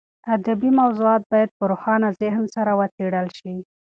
ادبي موضوعات باید په روښانه ذهن سره وڅېړل شي.